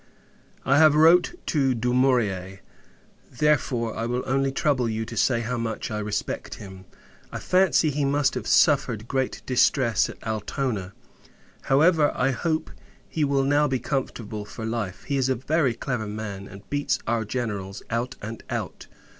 I have wrote to Dumourier; therefore, I will only trouble you to say how much I respect him. I fancy he must have suffered great distress at Altona. However, I hope, he will now be comfortable for life. He is a very clever man; and beats our Generals, out and out.